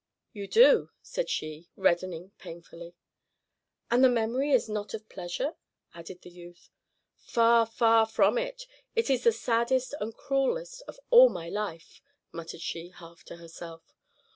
"You do," said she, reddening painfully. "And the memory is not of pleasure?" added the youth. "Far, far from it; it is the saddest and cruelest of all my life," muttered she, half to herself.